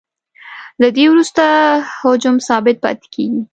له دې وروسته حجم ثابت پاتې کیږي